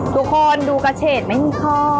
ทุกคนดูกระเฉดไม่มีข้อ